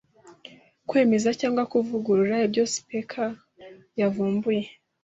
kwemeza cyangwa kuvuguruza ibyo Speke yavumbuye